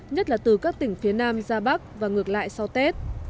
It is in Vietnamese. nhất là từ các tỉnh phía nam ra bắc và ngược lại sau tết